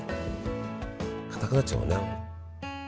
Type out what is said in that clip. かたくなっちゃうもんね。